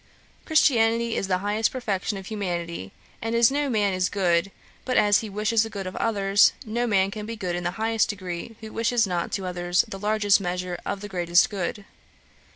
Christianity is the highest perfection of humanity; and as no man is good but as he wishes the good of others, no man can be good in the highest degree who wishes not to others the largest measures of the greatest good.